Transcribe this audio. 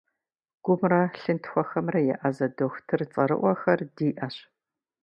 Гумрэ лъынтхуэхэмрэ еӏэзэ дохутыр цӏэрыӏуэхэр диӏэщ.